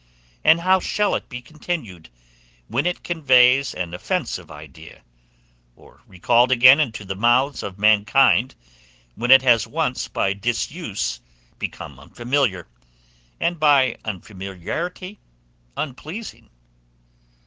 and how shall it be continued, when it conveys an offensive idea, or recalled again into the mouths of mankind, when it has once become unfamiliar by disuse, and unpleasing by unfamiliarity?